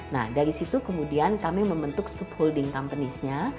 nah dari situ kemudian kami membentuk subholding companies nya